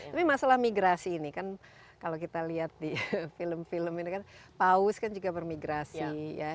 tapi masalah migrasi ini kan kalau kita lihat di film film ini kan paus kan juga bermigrasi ya